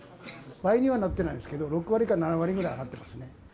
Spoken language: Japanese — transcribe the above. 倍にはなってないですけど、６割から７割ぐらい上がってますね。